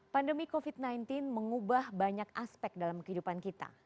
pandemi covid sembilan belas mengubah banyak aspek dalam kehidupan kita